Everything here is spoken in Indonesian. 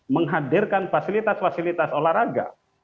menghadirkan fasilitas fasilitas olahraga